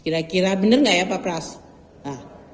kira kira bener gak ya pak prast